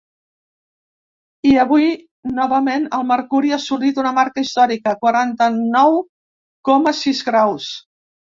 I avui, novament, el mercuri ha assolit una marca històrica: quaranta-nou coma sis graus.